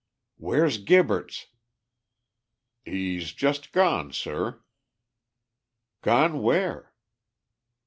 "Where's Gibberts?" "He's just gone, sir." "Gone where?"